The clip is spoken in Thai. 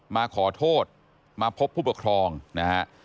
มาขอโทษมาพบผู้ปกครองนะฮะ